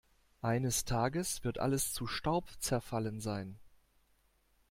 Eines Tages wird alles zu Staub zerfallen sein.